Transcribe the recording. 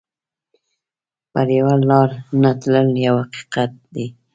پر یوه لار نه تلل یو حقیقت دی.